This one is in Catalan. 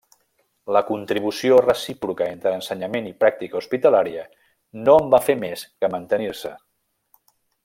La contribució recíproca entre ensenyament i pràctica hospitalària no en va fer més que mantenir-se.